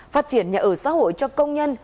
phát triển nhà ở xã hội cho công nhân